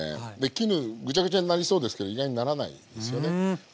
絹ぐちゃぐちゃになりそうですけど意外にならないんですよね。